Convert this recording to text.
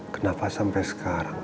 kenapa sampai sekarang